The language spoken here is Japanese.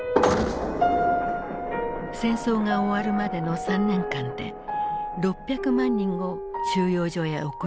戦争が終わるまでの３年間で６００万人を収容所へ送り込んだ。